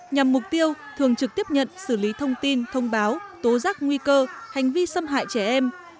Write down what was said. nhằm mục tiêu thường trực tiếp nhận xử lý thông tin thông báo tố giác nguy cơ hành vi xâm hại trẻ em